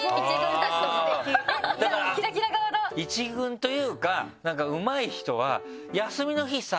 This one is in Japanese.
１軍というかなんかうまい人は。